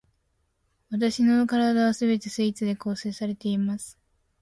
わたしの身体は全てスイーツで構成されています